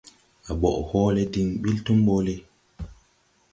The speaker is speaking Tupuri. À ɓɔʼ hɔɔlɛ diŋ ɓil tomɓole.